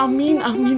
aku tuh aku